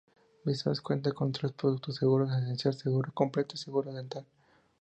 Vivaz cuenta con tres productos, Seguro Esencial, Seguro Completo y Seguro Dental.